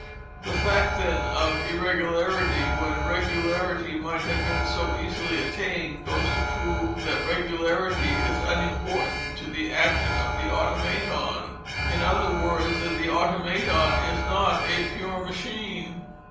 The fact then of irregularity, when regularity might have been so easily attained, goes to prove that regularity is unimportant to the action of the Automaton—in other words, that the Automaton is not a _pure machine.